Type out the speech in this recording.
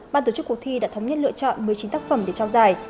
ban tổ chức cuộc thi đã thống nhất lựa chọn một mươi chín tác phẩm để trao giải